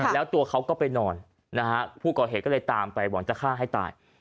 แล้วตัวเขาก็ไปนอนนะฮะผู้ก่อเหตุก็เลยตามไปหวังจะฆ่าให้ตาย